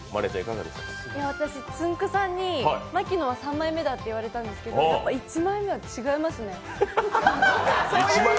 私、つんく♂さんに牧野は３枚目だと言われたんですけどやっぱ１枚目は違いますね。